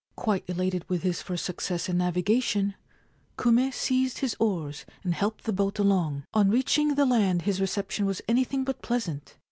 Quite elated with his first success in navigation, Kume seized his oars and helped the boat along. On reaching the land his reception was anything but pleasant.